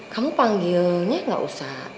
kamu panggilnya gak usah